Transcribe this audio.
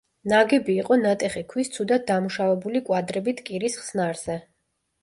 ნაგები იყო ნატეხი ქვის ცუდად დამუშავებული კვადრებით კირის ხსნარზე.